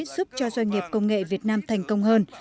giúp cho doanh nghiệp công nghệ việt nam thành công hơn